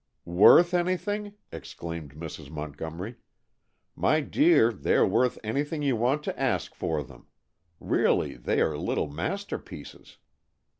"Worth anything?" exclaimed Mrs. Montgomery. "My dear, they are worth anything you want to ask for them. Really, they are little masterpieces.